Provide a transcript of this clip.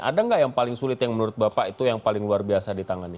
ada nggak yang paling sulit yang menurut bapak itu yang paling luar biasa ditangani